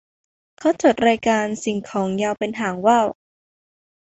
เขาจดรายการสิ่งของยาวเป็นหางว่าว